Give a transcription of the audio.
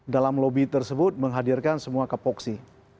dalam lobby tersebut menghadirkan semua kapoksi